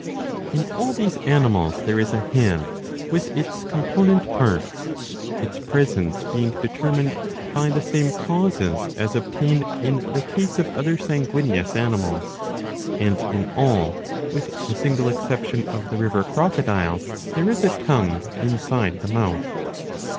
^ In all these animals there is a head with its component parts ; its presence being determined by the same causes * as obtain in the case of other sanguineous animals ; and in all, with the single ex ception of the river crocodile, there is a tongue inside the mouth.